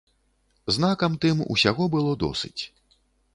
Знакам тым, усяго было досыць.